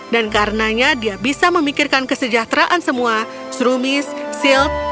dan karenanya dia bisa memikirkan kesejahteraan semua shroomis seals